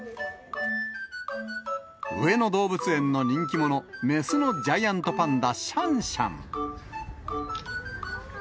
上野動物園の人気者、雌のジャイアントパンダ、シャンシャン。